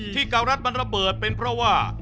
การัฐมันระเบิดเป็นเพราะว่า